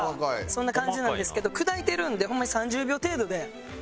そんな感じなんですけど砕いてるんでホンマに。